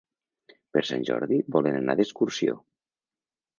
Per Sant Jordi volen anar d'excursió.